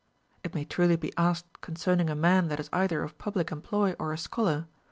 It may truly be asked concerning a man that is either of public employ or a scholar.